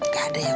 lihat salah satu